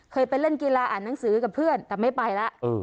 เคยไปเล่นกีฬาอ่านหนังสือกับเพื่อนแต่ไม่ไปแล้ว